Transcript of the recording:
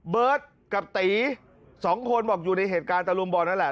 เบิร์ตกับตี๒คนบอกอยู่ในเหตุการณ์ตะลุมบอลนั่นแหละ